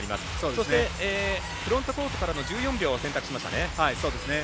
そして、フロントコートからの１４秒を選択しましたね。